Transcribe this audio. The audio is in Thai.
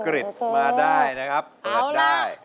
ร้องได้ร้องได้